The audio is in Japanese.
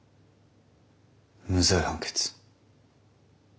無罪判決。